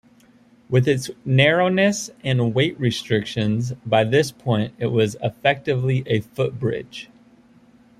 With its narrowness and weight restrictions, by this point it was effectively a footbridge.